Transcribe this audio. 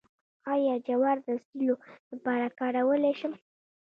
آیا جوار د سیلو لپاره کارولی شم؟